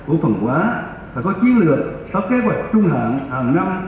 ổ phần hóa và có chiến lược tạo kế hoạch trung hạn hàng năm